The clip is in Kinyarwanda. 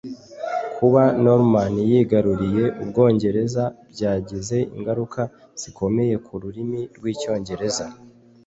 kuba norman yigaruriye ubwongereza byagize ingaruka zikomeye ku rurimi rw'icyongereza